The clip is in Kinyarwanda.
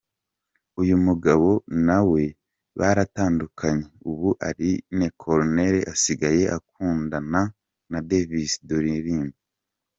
Uyu mugabo na we baratandukanye ubu Aline Cool asigaye akundana na Davis D uririmba.